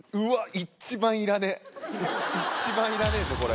一番いらねえぞこれ。